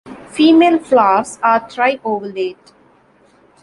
Female flowers are tri-ovulate.